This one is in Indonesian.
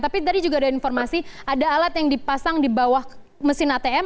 tapi tadi juga ada informasi ada alat yang dipasang di bawah mesin atm